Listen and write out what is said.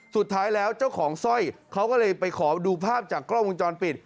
สุดท้ายแล้วเจ้าของสร้อยเขาก็เลยไปขอดูภาพจากกล้องวงจรปิด